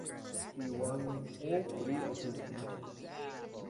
He won all three of his matches.